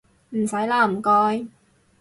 唔使喇唔該